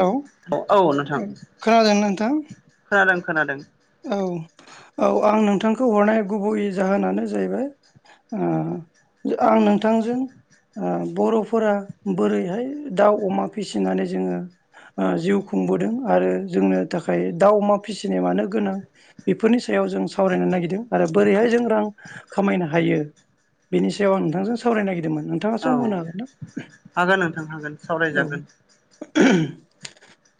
Hello औ औ नोंथां खोनादों नोंथां खोनादों खोनादों औ औ आं नोंथांखौ हरनाय गुबैयै जाहोनानो जाहैबाय ओ आं नोंथांजों ओ बर'फोरा बोरैहाय दाउ अमा फिसिनानै जोंङो ओ जिउ खुंबोदों आरो जोंनो थाखाय दाउ अमा फिसिनाय मानो गोनां बेफोरनि सायाव जों सावरायनो नागिरदों आरो बोरैहाय जों रां खामायनो हायो। बेनि सायाव आं नोंथांजों सावरायनो नागिरदोंमोन नोंथा। औ हागोन नोंथां हागोन सावरायजागोन। उमह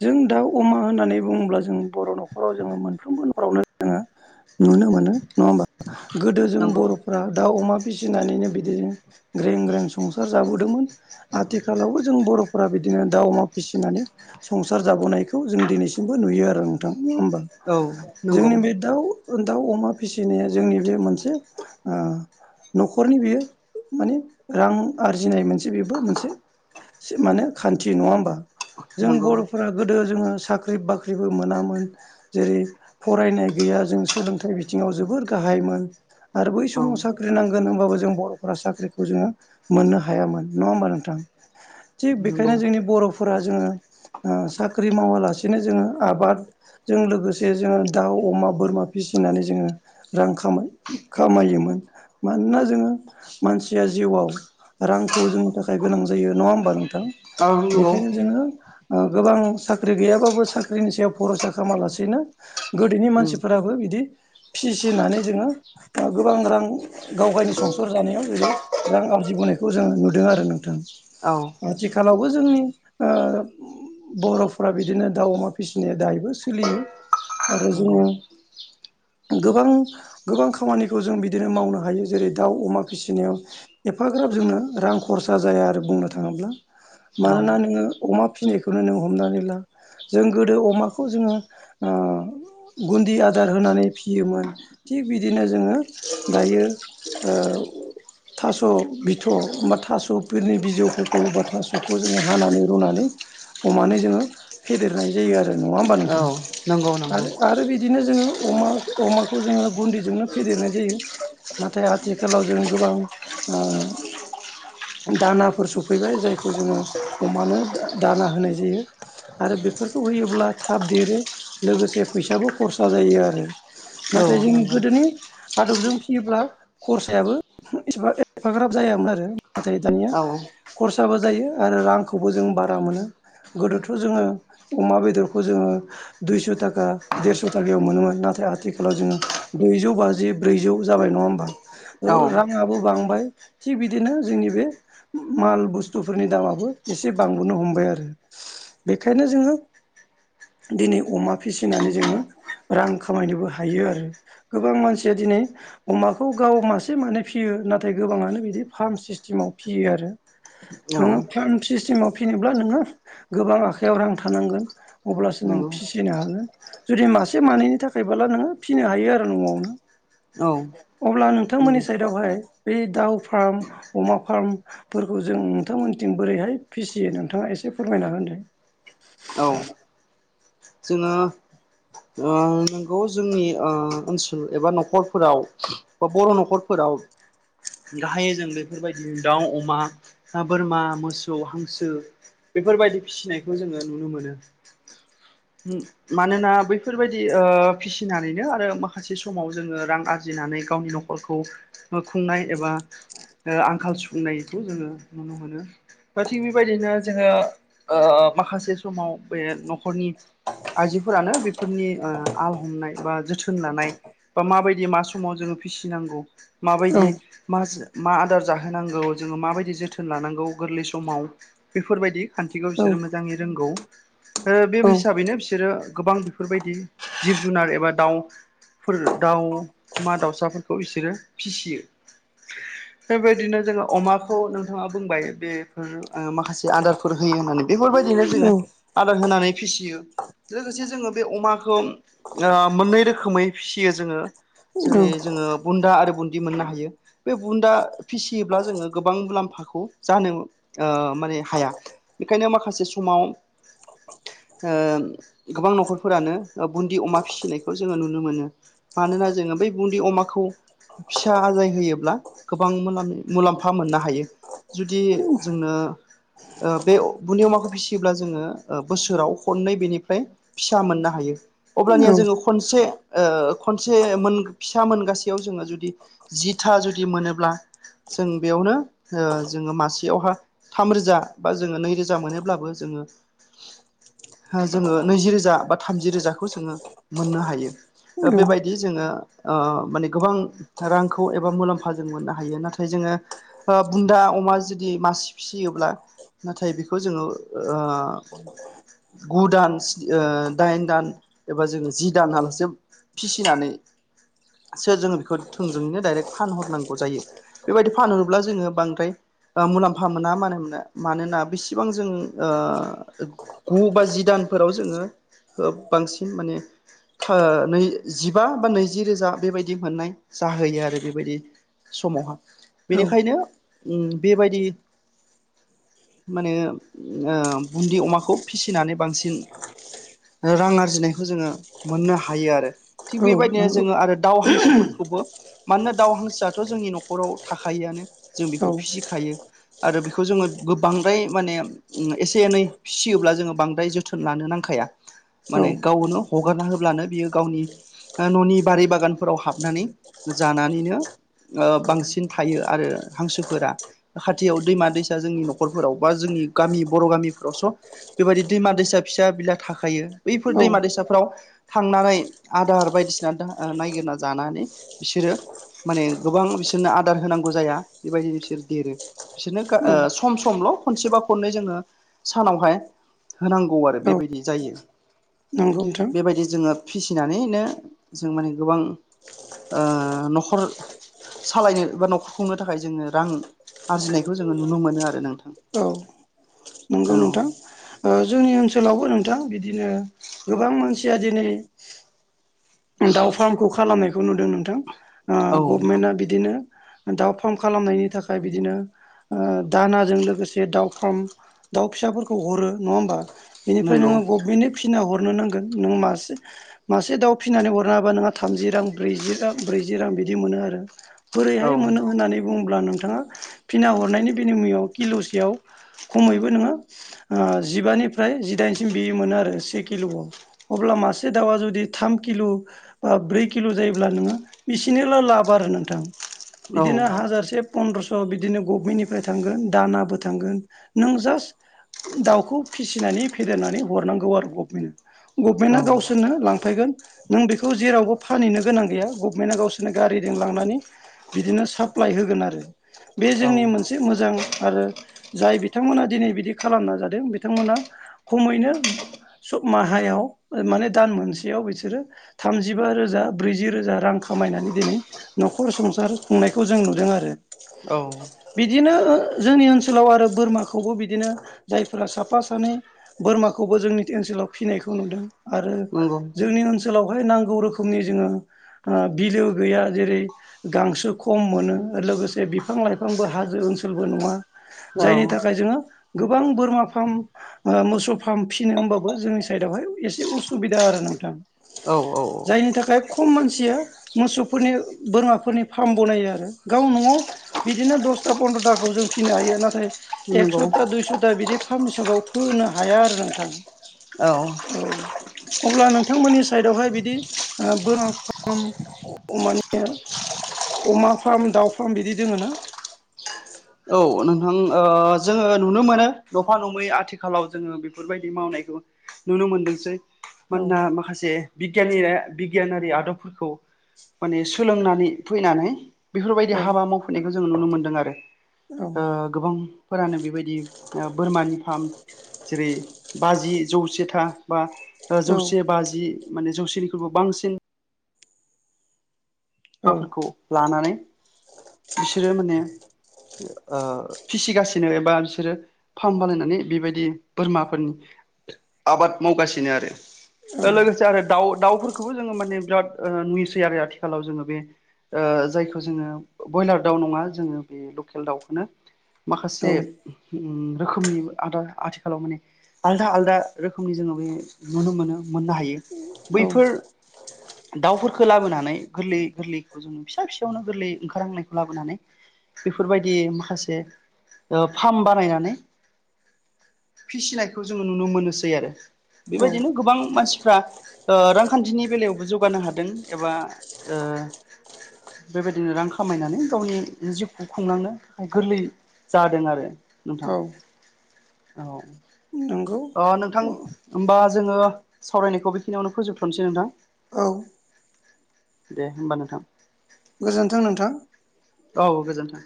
जों दाउ अमा होननानै बुंङोब्ला जों बर' न'खराव जोंङो मोन फ्रोमबो न'खरावनो जोंङो नुनो मोनो नंङा होमबा गोदो जों नंगौ बर' फ्रा दाउ अमा फिसिनानैनो बिदिनो ग्रें ग्रें संसार जाबोदोंमोन। आथिखालावबो जों बर'फोरा बिदिनो दाउ अमा फिसिनानै संसार जाबोनायखौ जों दिनैसिमबो नुयो। आरो नोंथां नंङा होमबा औ नंगौ जोंनि बे दाउ दाउ अमा फिसिनाया जोंनि बे मोनसे ओ न'खरनि बेयो माने रां आरजिनाय मोनसे बेबो मोनसे मोनसे माने खान्थि नंङा होमबा। जों नंगौ बर'फोरा गोदो जोंङो साख्रि बाख्रिबो मोनामोन जेरै फरायनाय गैया जों सोलोंथाइ बिथिंङाव जोबोर गाहायमोन। आरो बै औ समाव साख्रि नांग होगोन होनोमबाबो जों बर'फोरा साख्रिखौ जोंङो मोननो हायामोन नंङा होमबा नोंथां। थिग नंगौ बेखायनो जोंनि बर' फोरा जोंङो ओ साख्रि मावालासेनो जोंङो आबाद जों लोगोसे जोंङो दाउ अमा बोरमा फिसिनानै जोंङो रां खाम खामायोमोन मानोना जोंङो मानसिया जिउआव रांखौ जोंनि थाखाय गोनां जायो नंङा होमबा नोंथां? औ नंगौ बेखायनो जोंङो ओ गोबां साख्रि गैयाबाबो साख्रिनि सायाव भर'सा खालामालासेनो गोदोनि उम मानसिफोराबो बिदि फिसिनानै जोंङो ओ गोबां रां गाव गावनि संसार जानायाव जुदि रां आरजिबोनायखौ जों नुदों आरो नोंथां। औ आथिखालावबो जोंनि ओ बर'फोरा बिदिनो दाउ अमा फिसिनाया दायोबो सोलियो आरो नंगौ जोंङो गोबां गोबां खामानिखौ जों बिदिनो मावनो हायो जेरै दाउ अमा फिसिनायाव एफाग्राब जोंनो रां खरसा जाया आरो बुंनो थांङोब्ला। औ मानोना नोंङो अमा फिनायखौनो नों हमनानै ला जों गोदो अमाखौ जोंङो औ गुन्दि आदार होनानै फियोमोन थिग बिदिनो जोंङो दायो ओ थास' बिथ' बा थास'फोरनि बिजौफोरखौ बा थास'खौ जोंङो हानानै रुनानै अमानो जोंङो फेदेरनाय जायो आरो नंङा होमबा औ नोंथां नंगौ नंगौ आरो आरो बिदि बिदिनो जोंङो अमा अमाखौ जोंङो गुन्दि जोंनो फेदेरनाय जायो। नाथाय आथिखालाव जों गोबां ओ दानाफोर सफैबाय जायखौ जोङो अमानो दाना होनाय जायो। आरो बेफोरखौ होयोब्ला थाब देरो लोगोसे फैसाबो खरसा जायो आरो। औ नाथाय जोंनि नंगौ गोदोनि आदबजों फिसियोब्ला खरसायाबो एसेबां एफाग्राब जायामोन आरो। नाथाय दानिया औ खरसाबो जायो आरो रांखौबो जों बारा मोनो। गोदोथ' जोङो अमा बेदरखौ जोङो दुइस' थाखा देरस' थाखायाव मोनोमोन नाथाय आथिखालाव जोङो ब्रैजौ बाजि ब्रैजौ जाबाय नङा होमबा? औ राङाबो बांबाय थिग बिदिनो जोंनि बे माल बुस्थुफोरनि दामाबो एसे बांबोनो हमबाय आरो। बेखायनो जोङो दिनै अमा फिसिनानै जोङो रां खामायनोबो हायो आरो गोबां मानसिया दिनै अमाखौ गाव मासे मानै फियो नाथाय गोबाङानो बिदि फार्म सिस्टेमाव फियो आरो। नंगौ नोंङो औ फार्म सिस्टेमाव फिसिनोब्ला नोंङो गोबां आखायाव रां थानांगोन अब्लासो नों नंगौ औ फिसिनो हागोन जुदि मासे मानैनि थाखायबोला नोङो फिसिनो हायो आरो न'आवनो। औ। अब्ला नोंथांमोननि साइदावहाय बै दाउ फार्म अमा फार्म फोरखौ जों नोंथांमोननिथिं बोरैहाय फिसियो नोंथाङा एसे फोरमायना [unintelligible] औ। जोङो गोबां [unintelligible] जोंनि ओ ओनसोल एबा न'खरफोराव बा बर' न'खरफोराव गाहायै जों बेफोरबायदि दाउ, अमा, बोरमा, मोसौ, हांसो बेफोरबायदि फिसिनायखौ जोङो नुनो मोनो। मानोना बैफोरबायदि ओ फिसिनानैनो आरो माखासे समाव जोङो रां आरजिनानै गावनि न'खरखौ खुंनाय एबा ओ आंखाल सुफुंनायखौ जोङो नुनो मोनो। थिग बेबायदिनो जोङो माखासे समाव बे न'खरनि आइजोफोरानो बेफोरनि ओ आल हमनाय बा जोथोन लानाय बा माबायदि मा समाव जोङो फिसिनांगौ औ माबायदि माज मा आदार जाहोनांगौ जोङो माबायदि जोथोन लानांगौ गोरलै समाव बेफोरबायदि खान्थिखौ औ बिसोरो मोजाङै रोंगौ ओ बे औ हिसाबैनो बिसोरो गोबां बेफोरबायदि जिब जुनार एबा दाउ फोर दाउमा दाउसाफोरखौ बिसोरो फिसियो। द बेबायदिनो जोङो अमाखौ नोंथाङा बुंबाय बेफोर ओ माखासे आदार फोर होयो होननानै बेफोरबायदिनो औ जोङो आदार होनानै फिसियो लोगोसे जोङो बे अमाखौ ओ मोननै रोखोमै फिसियो जोङो। जेरै जोङो बुन्दा आरो बुन्दि मोननो हायो। बे बुन्दा फिसियोब्ला जोङो गोबां मुलाम्फाखौ जानो ओ माने हाया। बेखायनो माखासे समाव ओ गोबां न'खरफोरानो ओ बुन्दि अमा फिसिनायखौ जोङो नुनो मोनो मानोना जोङो बै बुन्दि अमाखौ फिसा आजाय होयोब्ला गोबां मुलाम मुलाम्फा मोननो हायो। जुदि जोंनो बे बुनि अमाखौ फिसियोब्ला जोङो बोसोराव खननै बेनिफ्राय फिसा मोननो हायो अब्लानिया जोङो खनसे ओ खनसे मोन फिसा मोनगासेयाव जोङो जुदि जिथा जुदि मोनोब्ला जों बेयावनो जोङो मासेयावहा थाम रोजा बा जोङो नैरोजा मोनोब्लाबो जोङो जोङो नैजि रोजा बा थामजि रोजाखौ जोङो मोननो हायो दा औ औ बेबायदि जोङो माने गोबां रांखौ एबा मुलाम्फा जों मोननो हायो नाथाय जोङो बुन्दा अमा जुदि मासे फिसियोब्ला नाथाय बेखौ जोङो ओ गु दान दाइन दान एबा जोङो जि दानालासे फिसिनानै सो जोङो बेखौ थोंजोङैनो दडाइरेक्ट फानहरनांगौ जायो बेबायदि फानहोब्ला जोङो बांद्राय मुलाम्फा मोना मानो मानोना बेसेबां जों ओ गु बा जि दानफोराव जोङो बांसिन माने नै जिबा बा नैजि रोजा बेबायदि मोननाय जाहोयो आरो बेबायदि समावहा औ बेनिखायनो बेबायदि माने बुन्दि अमाखौ फिसिनानै बांसिन रां आ रजिनायखौ जोङो मोननो हायो आरो थिग बेबायदिनो नंगौ जोङो आरो दाउ हांसोफोरखौबो मानोना दाव हांसोआथ' जोंनि न'खराव थाखआनो जों औ बेखौ फिसिखायो आरो बेखौ जोङो गोबांद्राय माने एसे एनै फियोब्ला जोङो बांद्राय जोथोन लानो नांखाया औ माने गावनो हगारना होब्लानो बियो गावनि न'नि बारि बागानफोराव हाबनानै जानानैनो बांसिन थायो आरो हांसोफोरा खाथियाव दैमा दैसा जोंनि न'खरफोराव बा जोंनि गामि बर' गामिफोरावस' बेबायदि दैमा दैसा फिसा बिला थाखायो बैफोर औ दैमा दैसाफ्राव थांनानै आदार बायदिसिना नायगिरना जानानै बिसोरो माने गोबां बिसोरनो आदार होनांगौ जाया बेबायदिनो बिसोर देरो बिसोरनो औ सम समल' खनसेबा खननै जोङो सानावहाय होनांगौ आरो बेबायदि जायो। नांगौ नोंथां। बेबायदि जोङो फिसिनानैनो जों माने आ गोबां न'खर सालायनो बा न'खर खुंनो थाखाय जोङो रां आरजिनायखौ जोङो नुनो मोनो आरो नोंथां औ नंगौ नोंथां। औ जोंनि ओनसोलावबो नोंथां बिदिनो गोबां मानसिया दिनै दाउ फार्मखौ खालामनायखौ नुदों नोंथां औ गभमेन्टआ बिदिनो दाउ फार्म खालामनायनि थाखाय बिदिनो दानाजों लोगोसे दाउ फार्म दाउ फिसाफोरखौ हरो नङा होमबा बिनिफ्राय नंगौ नोंङो गभमेन्टनो फिना हरनो नांगोन नोंङो मासे मासे दाउ फिसिनानै हरनो हाबा नोंहा थामजि रां ब्रैजि र ब्रैजि रां बिदि मोनो आरो औ बोरैहाय मोनो होननानै बुङोब्ला नोंथाङा फिना हरनायनि बिनिमयआव किल'सेयाव खमैबो नोङो जिबानिफ्राय जिदाइनसिम बियो मोनो आरो से किल'खौ अब्ला मासे दाउआ जुदि थाम किल' बा ब्रै किल' जायोब्ला नोङो बिसिनिल' लाब आरो नोंथां औ बिदिनो हाजारसे पन्द्रस' बिदिनो गभमेन्टनिफ्राय थांगोन दानाबो थांगोन नों जास्ट दाउखौ फिसिनानै फेदेरनानै हरनांगौ आरो गभमेन्टआ औ गभमेन्टआ गावसोरनो लांफैगोन। नों बेखौ जेरावबो फानहैनो गोनां गैया गभमेन्टआ गावसोरनो गारिजों लांनानै बिदिनो साप्लाइ होगोन आरो बे जोंनि औ मोनसे एसे मोजां आरो जाय बिथांमोना दिनै बिदि खालामना जादों बिथांमोना खमैनो सब माहायाव माने दान मोनसेयाव बि सोरो थामजिबा रोजा ब्रैजि रोजा रां खामायनानै दिनै न'खर संसार खुंनायखौ जों नुदों आरो। औ। बिदिनो ओ जोंनि ओनसोलाव आरो बोरमाखौबो बिदिनो जायफ्रा साफा सानै बोरमाखौबो जोंनि ओनसोलाव फिनायखौ नुदों आरो नंगौ जोंनि ओन सोलावहाय नांगौ रोखोमनि जोङो ओ बिलो गैया जेरै गांसो खम मोनो लोगोसे बिफां लाइफांबो हाजो ओनसोलबो नङा। औ जायनि थाखाय जोङो गोबां बोरमा फार्म ओ मोसौ फार्म फिनो होनबाबो जोंनि साइदआवहाय एसे उसुबिदा आरो नोंथां। औ औ जायनि थाखाय खम मानसिया मोसौफोरनि बोरमाफोरनि फार्म बनायो आरो गाव न'आव बिदिनो दसथा पन्द्र'थाखौ जों फिनो हायो नाथाय नंगौ एकस'था दुइस'था बिदि फार्म हिसाबाव फोनो हाया आरो नोंथां। औ। औ अब्ला नों नोथांमोननि साइदावहाय बिदि ओ बोरमा फार्म [unintelligible] मानिया अमा फार्म दाउ फार्म बिदि दोङो ना? औ नोंथां ओ जोङो नुनो मोनो नफा नङै आथिखालाव जोङो बेफोरबायदि मावनायखौ। नुनो मोनदोंसै औ मानोना माखासे बिगियान बिगियानारि आदबफोरखौ माने सोलोंनानै फैनानै बेफोरबायदि औ हाबा मावफैनायखौ जोङो नुनो मोन्दों आरो। औ ओ गोबांफोरानो बेबायदि ओ बोरमानि फार्म जेरै बाजि जौसेथा बा औ जौसे बाजि माने जौसेनिख्रुइबो बांसिन औ माफोरखौ लानानै बिसोरो माने ओ फिसिगासिनो एबा बिसोरो फार्म बानायनानै बेबायदि बोरमाफोरनि आबाद मावगासिनो आरो। ओ लोगोसे आरो दाउ दाउफोरखौबो जोङो माने बिराद नुयोसै आरो आथिखालाव जोङो। बे ओ जायखौ जोङो ब्रयलार दाउ नङा जोङो बे लकेल दाउखौनो माखासे औ रोखोमनि आदार आथिखालाव माने आलदा आलदा रोखोमनि जोङो बे नुनो मोनो मोननो हायो। औ बैफोर दाउफोरखौ लाबोनानै गोरलै गोरलैखौ जोंङो फिसा फिसायावनो गोरलै ओंखारहांनायखौ लाबोनानै बेफोरबायदि माखासे ओ फार्म बानायनानै फिसिनायखौ जोङो नुनो मोनोसै आरो औ बेबायदिनो गोबां मानसिफ्रा ओ रांखान्थिनि बेलायावबो जौगानो हादों एबा ओ [unintelligible] बेबायदिनो रां खामायनानै गावनि जिउखौ खुंलांनो गोरलै जादों आरो नोंथां औ औ। नंगौ अ नोंथां होमबा जोङो सावरायनायखौ बेखिनियावनो फोजोबथ'नोसै नोंथां। औ। दे होमबा नोंथां। गोजोन्थों नोंथां। औ गोजोन्थों।